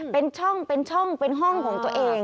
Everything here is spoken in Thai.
เป็นช่องเป็นห้องของตัวเอง